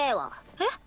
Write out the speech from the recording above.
えっ？